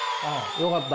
よかった！